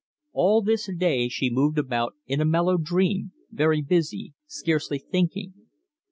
All this day she had moved about in a mellow dream, very busy, scarcely thinking.